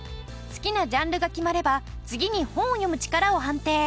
好きなジャンルが決まれば次に本を読む力を判定。